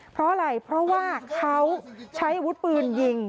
เพราะอะไรเพราะว่าเขาใช้อาวุธปืนยิง